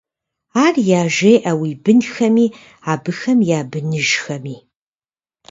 Ар яжеӀэ уи бынхэми, абыхэм я быныжхэми…